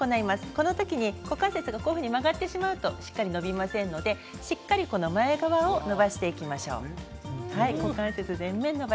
この時に股関節が曲がってしまうとしっかり伸びませんのでしっかり前側を伸ばしてください。